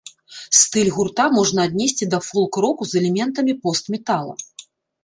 Стыль гурта можна аднесці да фолк-року з элементамі пост-метала.